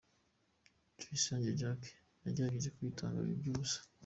Tuyisenge Jacques yagerageje kwitanga biba iby'ubusa.